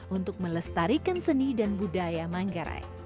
untuk melestarikan seni dan budaya manggarai